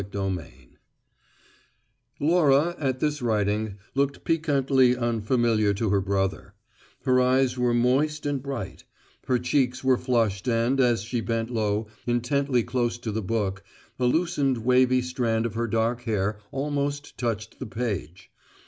CHAPTER FOUR Laura, at this writing, looked piquantly unfamiliar to her brother: her eyes were moist and bright; her cheeks were flushed and as she bent low, intently close to the book, a loosened wavy strand of her dark hair almost touched the page.